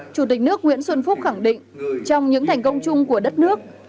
chủ tịch nước nguyễn xuân phúc khẳng định trong những thành công chung của đất nước